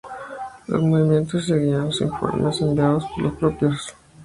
Los movimientos seguían los informes enviados por los propios cosmonautas.